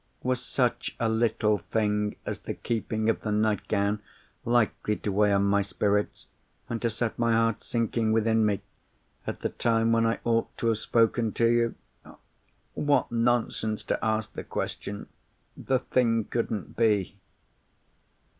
Was such a little thing as the keeping of the nightgown likely to weigh on my spirits, and to set my heart sinking within me, at the time when I ought to have spoken to you? What nonsense to ask the question! The thing couldn't be.